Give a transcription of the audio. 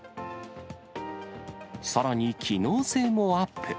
さらに、機能性もアップ。